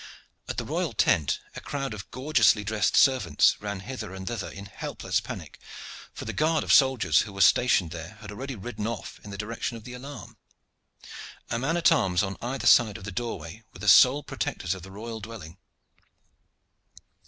At the royal tent a crowd of gorgeously dressed servants ran hither and thither in helpless panic for the guard of soldiers who were stationed there had already ridden off in the direction of the alarm. A man at arms on either side of the doorway were the sole protectors of the royal dwelling.